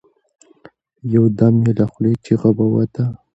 يو دم يې له خولې چيغه ووته.